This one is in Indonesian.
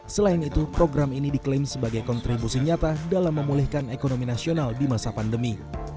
selain itu program ini diklaim sebagai kontribusi nyata dalam memulihkan ekonomi nasional di masa pandemi